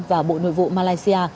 và bộ nội vụ malaysia